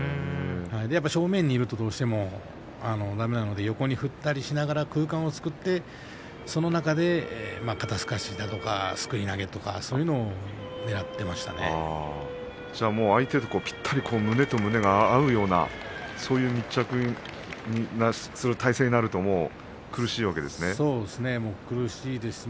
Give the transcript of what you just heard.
やっぱり正面にいるとどうしてもだめなので横に振ったりしながら空間を作ってその中で肩すかしだとかすくい投げとか、そういうのを相手とぴったり胸と胸が合うようなそういう密着する体勢になると苦しいわけですね。